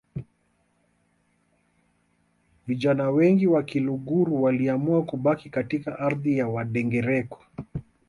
Vijana wengi wa Kiluguru waliamua kubaki katika ardhi ya Wandengereko